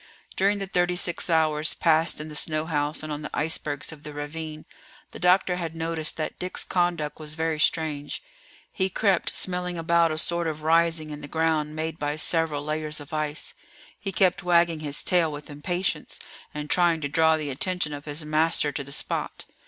During the thirty six hours passed in the snow house and on the icebergs of the ravine, the doctor had noticed that Dick's conduct was very strange; he crept smelling about a sort of rising in the ground made by several layers of ice; he kept wagging his tail with impatience, and trying to draw the attention of his master to the spot.